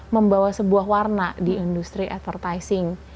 membawa sebuah warna di industri advertising